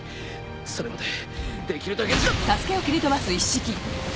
それまでできるだけ。